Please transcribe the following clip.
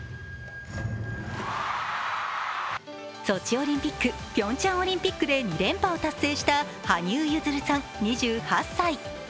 ソチオリンピックピョンチャンオリンピックで２連覇を達成した羽生結弦さん、２８歳。